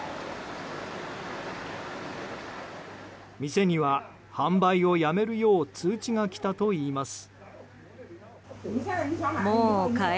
店には販売をやめるよう通知が来たといいます。